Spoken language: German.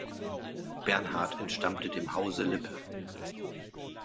Bernhard entstammte dem Hause Lippe.